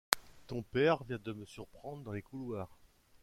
Ton père vient de me surprendre dans les couloirs.